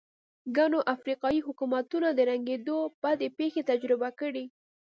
ګڼو افریقايي حکومتونو د ړنګېدو بدې پېښې تجربه کړې.